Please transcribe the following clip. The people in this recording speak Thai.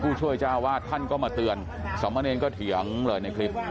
ผู้ช่วยเจ้าวาดท่านก็มาเตือนสมเนรก็เถียงเลยในคลิป